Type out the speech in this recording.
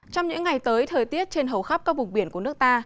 trong những ngày tới thời tiết trên hầu khắp các vùng biển của nước ta